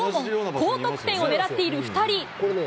高得点を狙っている２人。